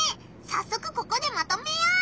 さっそくここでまとめよう！